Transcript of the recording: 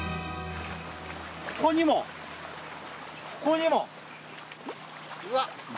ここにもここにも。